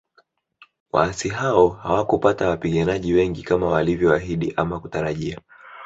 Waasi hao hawakupata wapiganaji wengi kama walivyoahidi ama kutarajia